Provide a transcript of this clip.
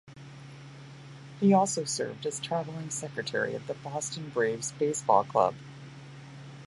He also served as travelling secretary of the Boston Braves baseball club.